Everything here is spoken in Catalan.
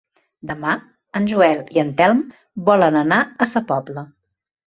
Demà en Joel i en Telm volen anar a Sa Pobla.